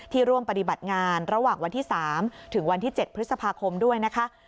ร่วมปฏิบัติงานระหว่างวันที่๓ถึงวันที่๗พฤษภาคมด้วยนะคะ